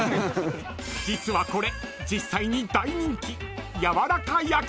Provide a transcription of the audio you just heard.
［実はこれ実際に大人気］